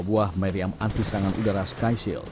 dua buah meriam anti serangan udara sky shield